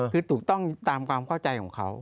คือถูกต้องตามความเข้าใจของเขา